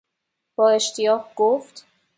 با اشتیاق گفت